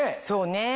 そうね。